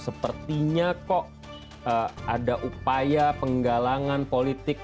sepertinya kok ada upaya penggalangan politik